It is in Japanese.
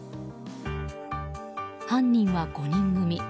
犯人は５人組。